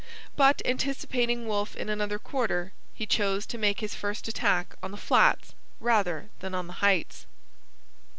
But, anticipating Wolfe in another quarter, he chose to make his first attack on the flats rather than on the heights.